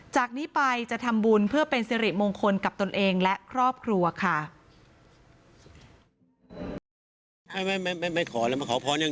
จากนี้ไปจะทำบุญเพื่อเป็นสิริมงคลกับตนเองและครอบครัวค่ะ